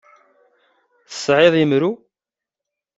Tesɛiḍ imru?